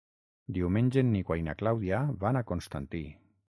Diumenge en Nico i na Clàudia van a Constantí.